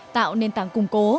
tạo nền tảng củng cố